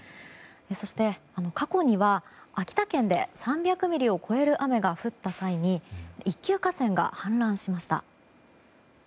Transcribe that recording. そして、過去には秋田県で３００ミリを超える雨が降った際に１級河川が氾濫しました。